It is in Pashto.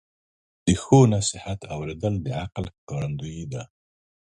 د ښو نصیحت اوریدل د عقل ښکارندویي ده.